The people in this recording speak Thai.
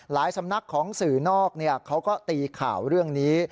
สำนักของสื่อนอกเขาก็ตีข่าวเรื่องนี้